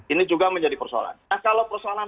ini juga menjadi persoalan nah kalau persoalan